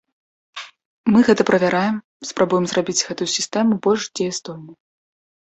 Мы гэта правяраем, спрабуем зрабіць гэтую сістэму больш дзеяздольнай.